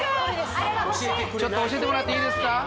ちょっと教えてもらっていいですか？